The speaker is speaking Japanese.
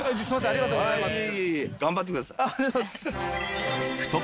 ありがとうございます。